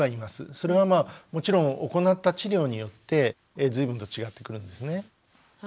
それはもちろん行った治療によって随分と違ってくるんですね。